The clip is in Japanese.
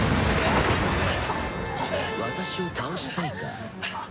私を倒したいか？